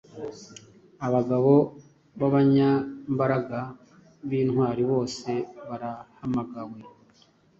abagabo b’abanyambaraga b’intwari bose barahamagawe.